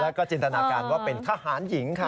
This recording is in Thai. แล้วก็จินตนาการว่าเป็นทหารหญิงค่ะ